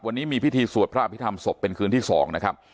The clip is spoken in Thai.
วันนี้มีพิธีสวดพระอภิษฐรรมศพเป็นคืนที่๒นะครับ